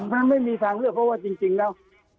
มันไม่มีทางเลือกเพราะว่าจริงแล้ว